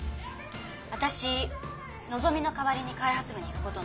私のぞみの代わりに開発部に行くことになった。